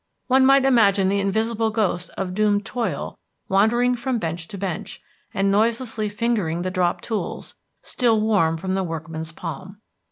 One might imagine the invisible ghost of doomed Toil wandering from bench to bench, and noiselessly fingering the dropped tools, still warm from the workman's palm.